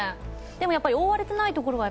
でもやっぱり覆われてない所は。